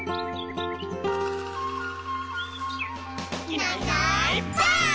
「いないいないばあっ！」